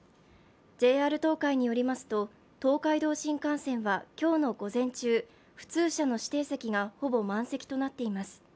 ＪＲ東海によりますと東海道新幹線は今日の午前中普通車の指定席がほぼ満席となっています。